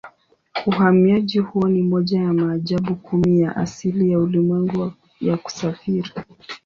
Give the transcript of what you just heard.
Uhamiaji huo ni moja ya maajabu kumi ya asili ya ulimwengu ya kusafiri.